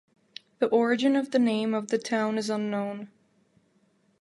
The origin of the name of the town is unknown.